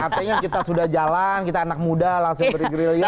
artinya kita sudah jalan kita anak muda langsung bergerilya